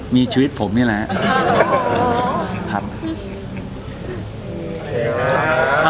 มีชีวิตผมนี่แหละ